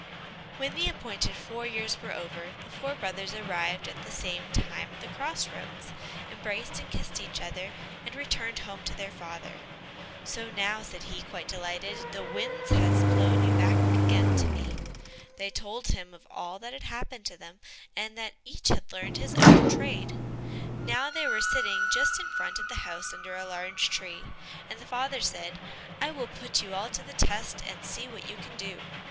When the appointed four years were over, the four brothers arrived at the same time at the cross roads, embraced and kissed each other, and returned home to their father. "So now," said he, quite delighted, "the wind has blown you back again to me." They told him of all that had happened to them, and that each had learnt his own trade. Now they were sitting just in front of the house under a large tree, and the father said, "I will put you all to the test, and see what you can do."